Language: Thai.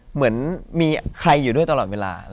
เหมือนมีใครอยู่ด้วยตลอดเวลา